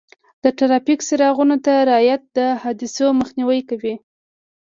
د ټرافیک څراغونو ته رعایت د حادثو مخنیوی کوي.